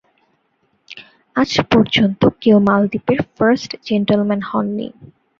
আজ পর্যন্ত কেউ মালদ্বীপ এর ফার্স্ট জেন্টলম্যান হননি।